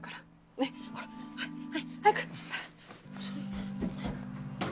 ねっほらはいはい早く。